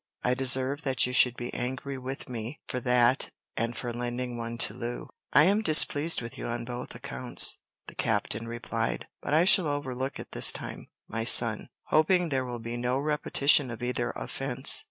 I deserve that you should be angry with me for that and for lending one to Lu." "I am displeased with you on both accounts," the captain replied, "but I shall overlook it this time, my son, hoping there will be no repetition of either offence.